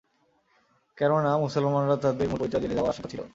কেননা, মুসলমানরা তাদের মূল পরিচয় জেনে যাবার আশঙ্কা ছিল।